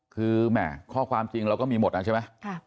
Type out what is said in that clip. คือแหม่ข้อความจริงเราก็มีหมดใช่ไหม